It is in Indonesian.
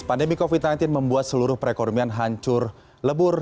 pandemi covid sembilan belas membuat seluruh perekonomian hancur lebur